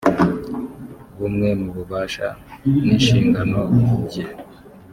bumwe mu bubasha n inshingano bye